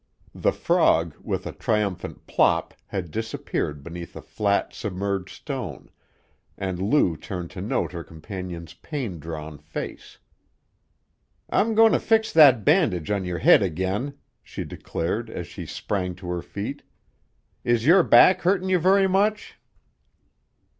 The frog, with a triumphant plop, had disappeared beneath a flat, submerged stone, and Lou turned to note her companion's pain drawn face. "I'm goin' to fix that bandage on your head again," she declared as she sprang to her feet. "Is your back hurtin' you very much?"